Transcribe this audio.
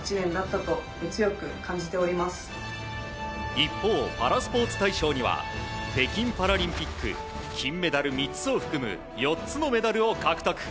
一方、パラスポーツ大賞には北京パラリンピック金メダル３つを含む４つのメダルを獲得。